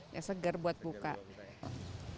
ya segar buat buka